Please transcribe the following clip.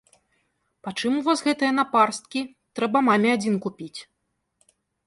Пачым у вас гэтыя напарсткі, трэба маме адзін купіць?